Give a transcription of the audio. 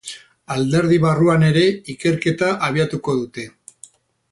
Alderdi barruan ere ikerketa abiatuko dute.